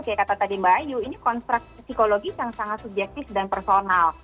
kayak kata tadi mbak ayu ini kontrak psikologis yang sangat subjektif dan personal